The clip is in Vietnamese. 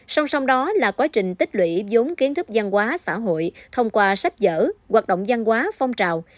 song song đó là quá trình tích lũy dốn kiến thức văn hóa xã hội thông qua sách giở hoạt động văn hóa phong trào